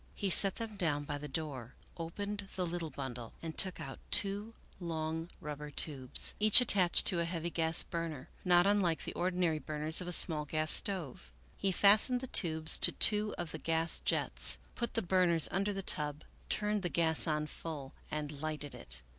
He set them down by the door, opened the little bundle, and took out two long rubber tubes, each attached to a heavy gas burner, not unlike the ordinary burners of a small gas stove. He fastened the tubes to two of the gas jets, put the burners under the tub, turned the gas on full, and lighted it.